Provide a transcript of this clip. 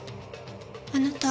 あなた？